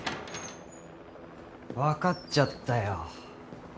分かっちゃったよ。